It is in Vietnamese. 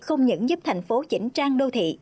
không những giúp thành phố chỉnh trang đô thị